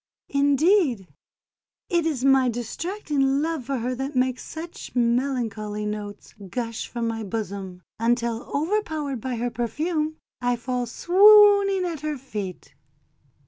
Indeed, it is my distracting love for her that makes such melancholy notes gush from my bosom, until, overpowered by her perfume, I fall swooning at her feet."